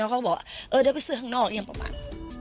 ก็บอกเดี๋ยวไปซื้อข้างนอก